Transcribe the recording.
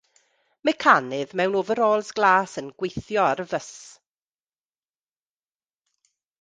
Mecanydd mewn ofyrols glas yn gweithio ar fys.